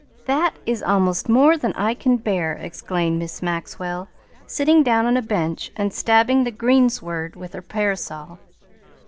"That is almost more than I can bear!" exclaimed Miss Maxwell, sitting down on a bench and stabbing the greensward with her parasol.